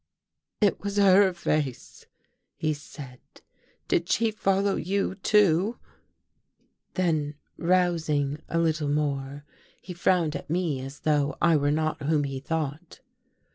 " It was her face," he said. " Did she follow you, too?" Then rousing a little more he frowned at me as though I were not whom he thought.